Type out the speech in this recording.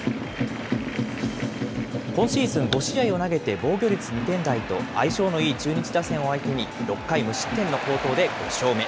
今シーズン５試合を投げて防御率２点台と、相性のいい中日打線を相手に、６回無失点の好投で５勝目。